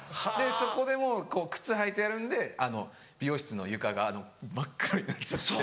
そこでも靴履いてやるんで美容室の床が真っ黒になっちゃって。